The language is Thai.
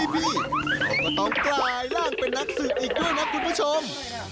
พี่ก็ต้องกลายร่างเป็นนักศึกอีกด้วยนะคุณผู้ชม